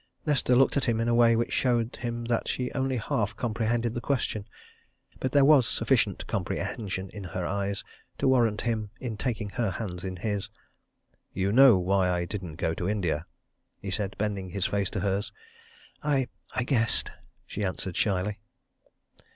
Nesta looked at him in a way which showed him that she only half comprehended the question. But there was sufficient comprehension in her eyes to warrant him in taking her hands in his. "You know why I didn't go to India?" he said, bending his face to hers. "I guessed!" she answered shyly.